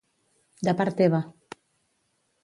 —De part teva.